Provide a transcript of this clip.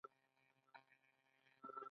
د افغانستان تاریخ ډېر ژور دی.